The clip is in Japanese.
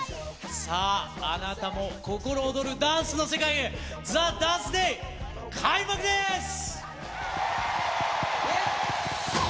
さあ、あなたも心躍るダンスの世界へ、ＴＨＥＤＡＮＣＥＤＡＹ、開幕です。